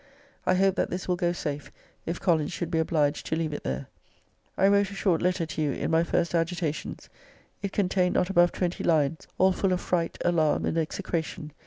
I hope that this will go safe, if Collins should be obliged to leave it there. >>> I wrote a short letter to you in my first agitations. It contained not above twenty lines, all full of fright, alarm, and execration.